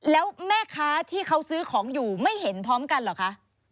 แล้วแม่ค้าที่เขาซื้อของอยู่ไม่เห็นพร้อมกันเหรอคะ